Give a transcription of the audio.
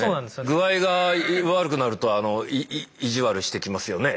具合が悪くなると意地悪してきますよね。